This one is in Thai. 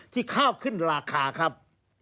ข้าวขึ้นราคาครับ